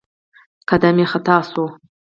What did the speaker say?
قدم يې خطا شو.